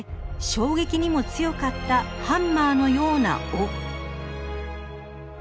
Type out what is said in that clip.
衝撃にも強かったハンマーのような尾。